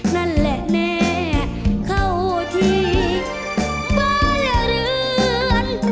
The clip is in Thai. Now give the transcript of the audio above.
นั่นแหละแน่เข้าที่บ้านเรือน